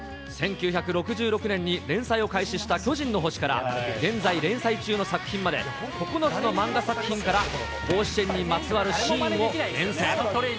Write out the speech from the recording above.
１９６６年に連載を開始した巨人の星から、現在、連載中の作品まで、９つの漫画作品から、甲子園にまつわるシーンを厳選。